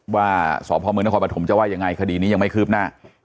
ว่าสอบภอมเมืองนครบัตรฐมจะว่ายังไงคดีนี้ยังไม่คืบหน้า